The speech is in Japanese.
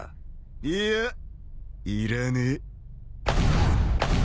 いやいらねえ。